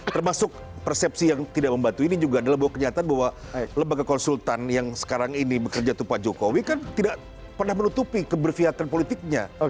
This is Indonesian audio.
termasuk persepsi yang tidak membantu ini juga adalah bahwa kenyataan bahwa lembaga konsultan yang sekarang ini bekerja itu pak jokowi kan tidak pernah menutupi keberviatan politiknya